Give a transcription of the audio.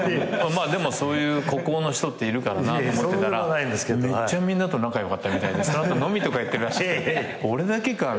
そういう孤高の人っているからなと思ってたらめっちゃみんなと仲良かったみたいでその後飲みとか行ってるらしくて俺だけかみたいな。